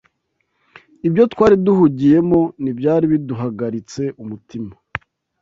ibyo twari duhugiyemo n’ibyari biduhagaritse umutima